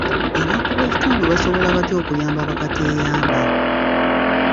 Abantu b'ekitundu basobola batya okuyamba bakateeyamba?